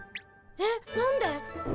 えっ何で？